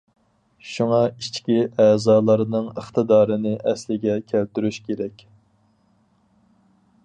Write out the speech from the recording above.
شۇڭا ئىچكى ئەزالارنىڭ ئىقتىدارىنى ئەسلىگە كەلتۈرۈش كېرەك.